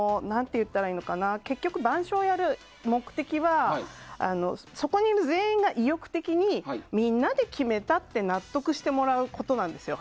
結局、板書をやる目的はそこにいる全員が意欲的にみんなで決めたって納得してもらうことなんですよ。